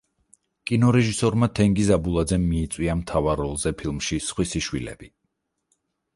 კინორეჟისორმა თენგიზ აბულაძემ მიიწვია მთავარ როლზე ფილმში „სხვისი შვილები“.